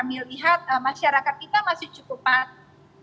dilihat masyarakat kita masih cukup patuh